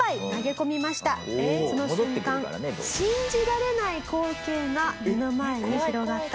その瞬間信じられない光景が目の前に広がったんです。